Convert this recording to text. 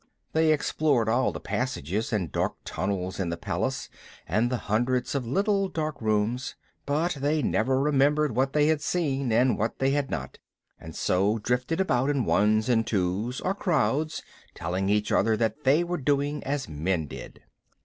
They explored all the passages and dark tunnels in the palace and the hundreds of little dark rooms, but they never remembered what they had seen and what they had not; and so drifted about in ones and twos or crowds telling each other that they were doing as men did.